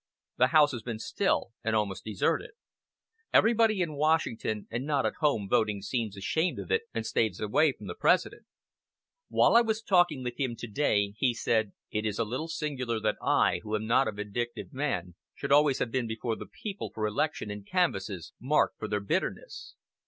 "The house has been still and almost deserted. Everybody in Washington and not at home voting seems ashamed of it, and stays away from the President. While I was talking with him to day he said: 'It is a little singular that I, who am not a vindictive man, should always have been before the people for election in canvasses marked for their bitterness.